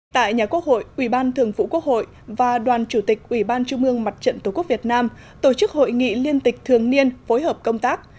tại nhà quốc hội ubthqh và đoàn chủ tịch ubndtqvn tổ chức hội nghị liên tịch thường niên phối hợp công tác